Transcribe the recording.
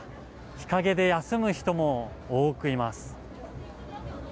日陰で休む人も多くいます。